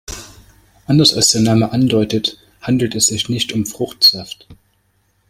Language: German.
Anders als der Name andeutet, handelt es sich nicht um Fruchtsaft.